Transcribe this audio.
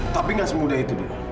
tapi gak semudah itu dio